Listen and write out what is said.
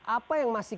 apa yang masih